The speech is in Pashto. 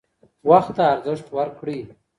وخت ته ارزښت ورکړئ.